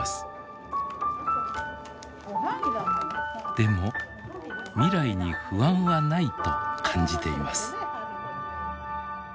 でも未来に不安はないと感じています。